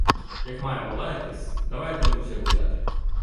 Як маємо лаятись, давайте лучче гуляти!